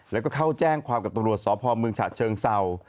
แล้วก็เข้าแจ้งความกับตำรวจสพเมืองฉะเชิงเศร้า